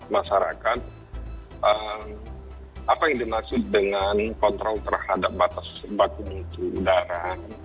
masyarakat apa yang dimaksud dengan kontrol terhadap batas baku mutu udara